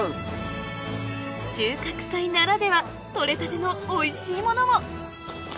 収穫祭ならでは取れたてのおいしいものも！